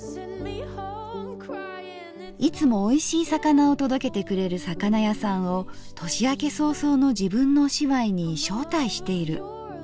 いつもおいしい魚を届けてくれる魚屋さんを年明け早々の自分のお芝居に招待している。